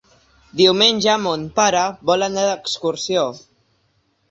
Diumenge mon pare vol anar d'excursió.